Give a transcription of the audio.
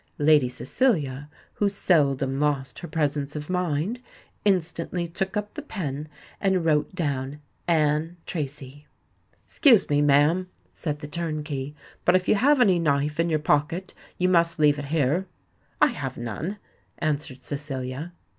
Lady Cecilia, who seldom lost her presence of mind, instantly took up the pen, and wrote down "ANNE TRACY." "Excuse me, ma'am," said the turnkey, "but if you have any knife in your pocket you must leave it here." "I have none," answered Cecilia.